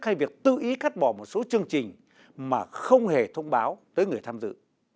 hay việc tư ý cắt bỏ một số chương trình mà không hề thông báo tới người tham dự